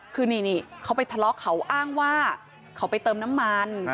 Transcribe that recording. คือนี่เขาไปทะเลาะเขาอ้างว่าเขาไปเติมน้ำมัน